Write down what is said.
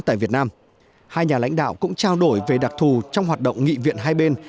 tại việt nam hai nhà lãnh đạo cũng trao đổi về đặc thù trong hoạt động nghị viện hai bên